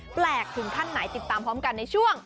ถึงขั้นไหนติดตามพร้อมกันในช่วง